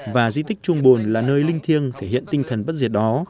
và di tích trung bồn là nơi linh thiêng thể hiện tinh thần bất diệt đó